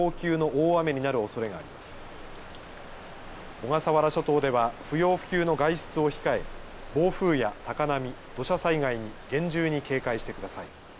小笠原諸島では不要不急の外出を控え暴風や高波、土砂災害に厳重に警戒してください。